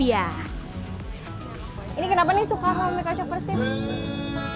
ini kenapa nih suka sama mie kocok bersih